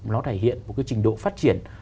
nó thể hiện một trình độ phát triển